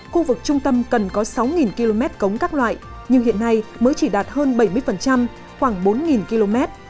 khu vực trung tâm cần có sáu km cống các loại nhưng hiện nay mới chỉ đạt hơn bảy mươi khoảng bốn km